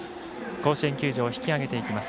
甲子園球場、引き上げていきます。